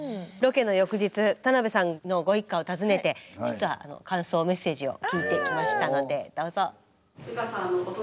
ロケの翌日田さんのご一家を訪ねて実は感想メッセージを聞いてきましたのでどうぞ。